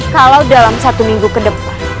kalau dalam satu minggu ke depan